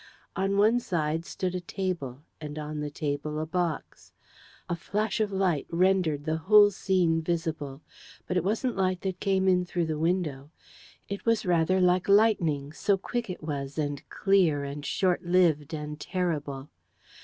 On one side stood a table, and on the table a box. A flash of light rendered the whole scene visible. But it wasn't light that came in through the window. It was rather like lightning, so quick it was, and clear, and short lived, and terrible.